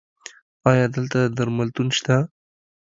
ایا دلته درملتون شته؟